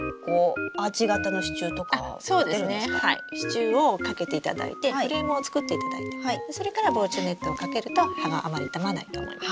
支柱をかけていただいてフレームを作っていただいてそれから防虫ネットをかけると葉があまり傷まないと思います。